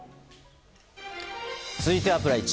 続いてはプライチ。